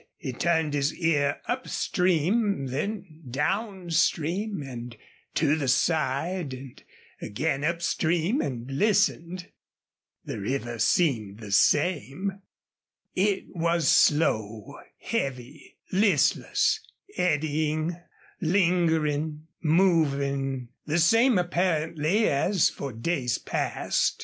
He turned his ear up stream, then down stream, and to the side, and again up stream and listened. The river seemed the same. It was slow, heavy, listless, eddying, lingering, moving the same apparently as for days past.